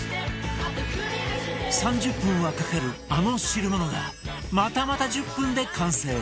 ３０分はかかるあの汁物がまたまた１０分で完成